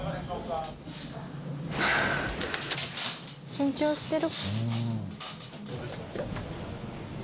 緊張してる。